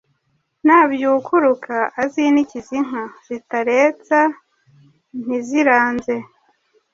Nabyukuruka azinikize inka Zitaretsa ntiziranze,